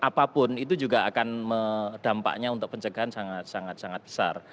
apapun itu juga akan dampaknya untuk pencegahan sangat sangat besar